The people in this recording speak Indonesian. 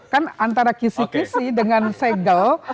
kan antara kisi kisi dengan segel